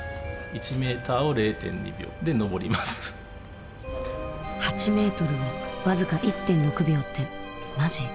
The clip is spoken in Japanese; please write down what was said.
８メートルを僅か１．６秒ってマジ？